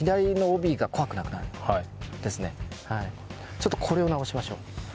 ちょっとこれを直しましょう。